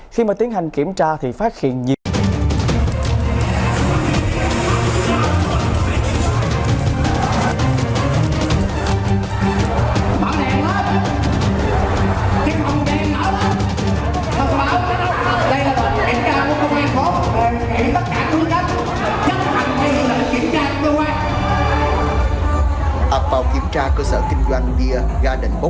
khi mà tiến hành kiểm tra thì phát hiện nhiều